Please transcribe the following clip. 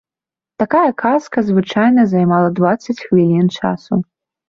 Такая казка звычайна займала дваццаць хвілін часу.